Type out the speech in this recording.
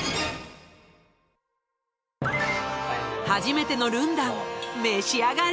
初めてのルンダン召し上がれ！